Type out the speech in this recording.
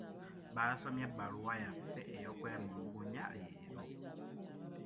Baasomye ebbaluwa yaffe ey'okwemulugunya leero.